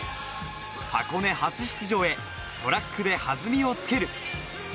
箱根初出場へトラックで弾みをつける。